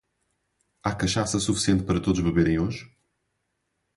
Há cachaça suficiente para todos beberem hoje?